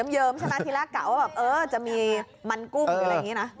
เยิมใช่ไหมทีละกะว่าจะมีมันกุ้งอะไรอย่างนี้นะ